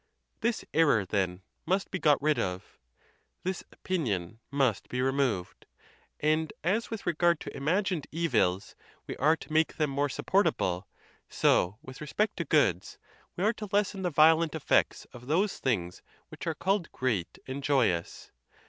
This error, then, must be got rid of; this opinion must be removed; and, as with regard to imagined evils, we are to make them more sup portable, so with respect to goods, we are to lessen the violent effects of those things which are called great and joyous.